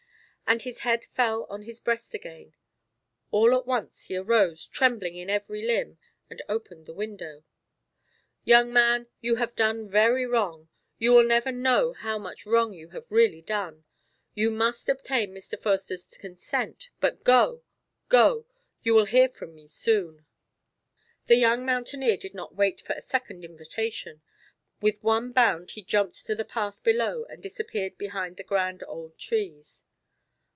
And his head fell on his breast again. All at once he arose, trembling in every limb, and opened the window. "Young man, you have done very wrong; you will never know how much wrong you have really done. You must obtain Mr. Foerster's consent but go go you will hear from me soon." The young mountaineer did not wait for a second invitation; with one bound he jumped to the path below and disappeared behind the grand old trees.